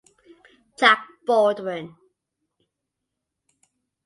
Jack Baldwin.